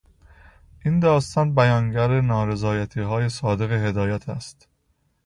این داستان بیانگر نارضایتیهای صادق هدایت است.